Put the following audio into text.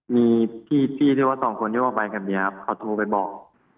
มีพี่ที่ว่า๒คนยกออกไปกับเดี๋ยวครับเขาโทรไปบอก